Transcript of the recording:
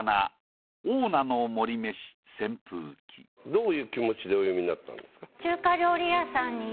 どういう気持ちでお詠みになったんですか？